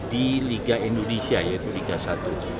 di liga indonesia yaitu liga satu